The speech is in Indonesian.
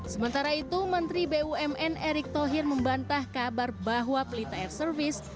sementara itu menteri bumn erick thohir membantah kabar bahwa pelita air service